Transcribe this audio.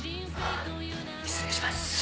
失礼します。